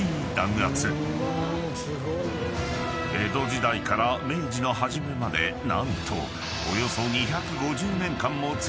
［江戸時代から明治の初めまで何と］